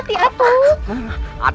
dan lebih baik